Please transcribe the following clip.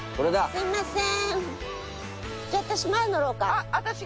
すみません。